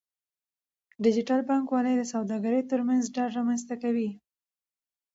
ډیجیټل بانکوالي د سوداګرو ترمنځ ډاډ رامنځته کوي.